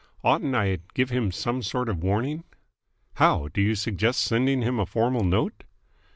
Oughtn't I to give him some sort of warning?" "How? Do you suggest sending him a formal note?"